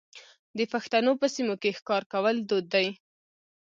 د پښتنو په سیمو کې ښکار کول دود دی.